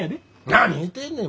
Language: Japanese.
何言うてんねん！